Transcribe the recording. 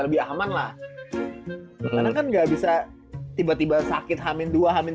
siapa yang mau gantiin anjing